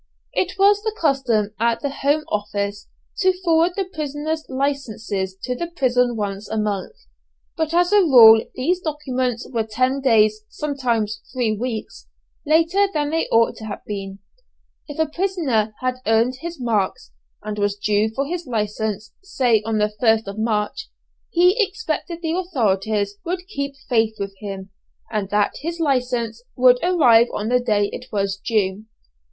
It was the custom at the Home Office to forward the prisoners' licenses to the prison once a month, but as a rule these documents were ten days sometimes three weeks later than they ought to have been. If a prisoner had earned his marks, and was due for his license, say on the 1st of March, he expected the authorities would keep faith with him, and that his license would arrive on the day it was due.